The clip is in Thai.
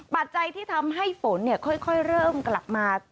ปัจจัยที่ทำให้ฝนค่อยเริ่มกลับมา